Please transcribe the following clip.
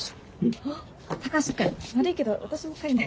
高橋君悪いけど私もう帰るね。